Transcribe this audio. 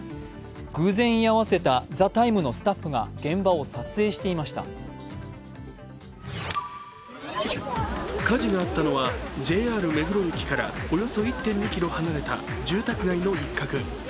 偶然居合わせた「ＴＨＥＴＩＭＥ，」のスタッフが火事があったのはＪＲ目黒駅からおよそ１．２ｋｍ離れた住宅街の一角。